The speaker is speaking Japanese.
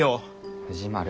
藤丸。